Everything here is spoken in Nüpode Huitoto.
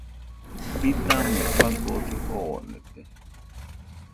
Idamo fagosi joonete.